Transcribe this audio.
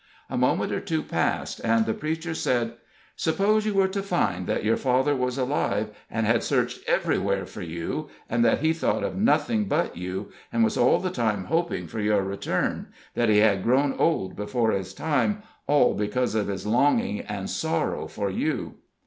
A moment or two passed, and the preacher said: "Suppose you were to find that your father was alive, and had searched everywhere for you, and that he thought of nothing but you, and was all the time hoping for your return that he had grown old before his time, all because of his longing and sorrow for you?"